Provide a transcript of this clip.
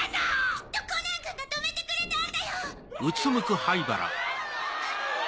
きっとコナンくんが止めてくれたんだよ！